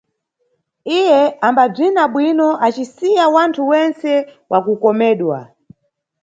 Iye ambabzina bwino acisiya wanthu wentse wa kukomedwa.